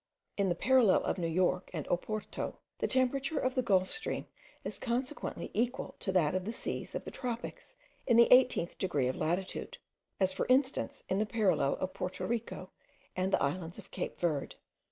In the parallel of New York and Oporto, the temperature of the Gulf stream is consequently equal to that of the seas of the tropics in the 18th degree of latitude, as, for instance, in the parallel of Porto Rico and the islands of Cape Verd.